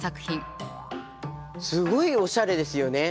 すごいおしゃれですよね。